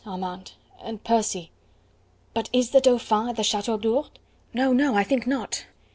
Armand, and Percy." "But is the Dauphin at the Chateau d'Ourde?" "No, no! I think not."